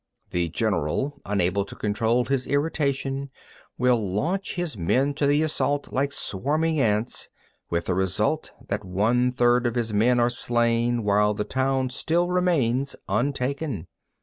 5. The general, unable to control his irritation, will launch his men to the assault like swarming ants, with the result that one third of his men are slain, while the town still remains untaken.